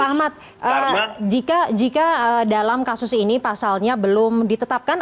pak ahmad jika dalam kasus ini pasalnya belum ditetapkan